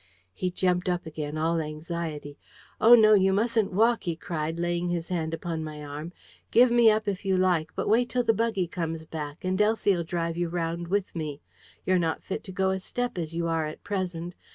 He jumped up again, all anxiety. "Oh, no, you mustn't walk!" he cried, laying his hand upon my arm. "Give me up, if you like; but wait till the buggy comes back, and Elsie'll drive you round with me. You're not fit to go a step as you are at present...